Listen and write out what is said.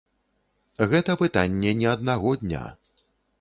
Гэта пытанне не аднаго дня.